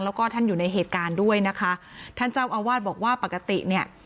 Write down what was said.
แล้วก็ท่านอยู่ในเหตุการณ์ด้วยนะคะท่านเจ้าอาวาสบอกว่าปกติเนี่ย